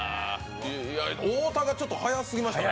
太田がちょっと速過ぎましたね。